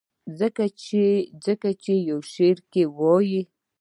ځکه چې يو شعر کښې وائي :